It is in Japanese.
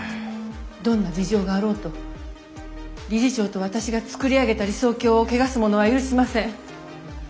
どんな事情があろうと理事長と私が作り上げた理想郷を汚す者は許しません。